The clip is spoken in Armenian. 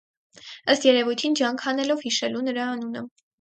ըստ երևույթին ջանք անելով հիշելու նրա անունը: